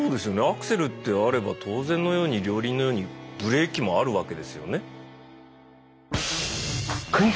アクセルってあれば当然のように両輪のようにブレーキもあるわけですよね？